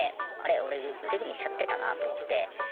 俺腕組みしちゃってたなあと思って。